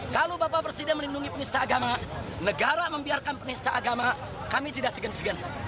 kalau bapak presiden melindungi penista agama negara membiarkan penista agama kami tidak segan segan